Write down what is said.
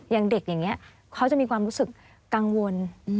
อย่างเด็กอย่างนี้เขาจะมีความรู้สึกกังวล